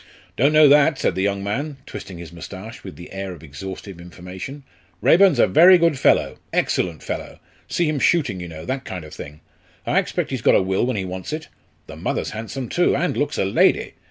"Don't know that," said the young man, twisting his moustache with the air of exhaustive information. "Raeburn's a very good fellow excellent fellow see him shooting, you know that kind of thing. I expect he's got a will when he wants it. The mother's handsome, too, and looks a lady.